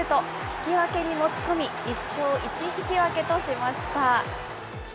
引き分けに持ち込み、１勝１引き分けとしました。